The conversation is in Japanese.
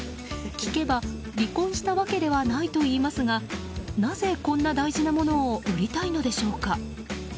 聞けば、離婚したわけではないといいますがなぜこんな大事なものを売りたいのでしょうか。